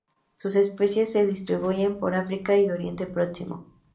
Sus especies se distribuyen por África y Oriente Próximo.